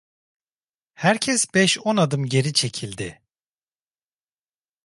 Herkes beş on adım geri çekildi.